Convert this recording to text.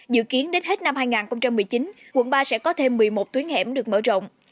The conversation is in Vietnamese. dự kiến đến hết năm hai nghìn một mươi chín quận ba sẽ có thêm một mươi một tuyến hẻm được mở rộng